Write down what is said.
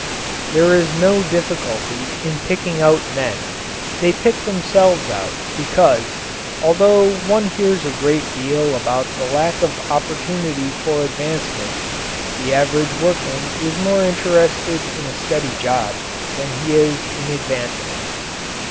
There is no difficulty in picking out men. They pick themselves out because although one hears a great deal about the lack of opportunity for advancement the average workman is more interested in a steady job than he is in advancement.